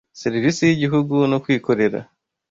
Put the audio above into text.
Serivisi y'igihugu no kwikorera